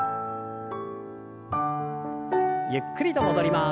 ゆっくりと戻ります。